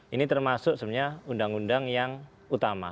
ini termasuk sebenarnya undang undang yang utama